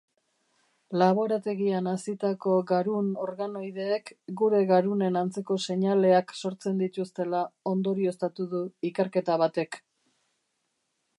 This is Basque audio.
Laborategian hazitako garun-organoideek gure garunen antzeko seinaleak sortzen dituztela ondorioztatu du ikerketa batek.